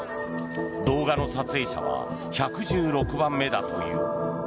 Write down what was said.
動画の撮影者は１１６番目だという。